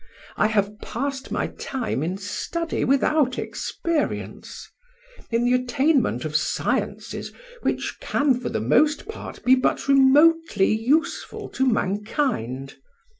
I have passed my time in study without experience—in the attainment of sciences which can for the most part be but remotely useful to mankind.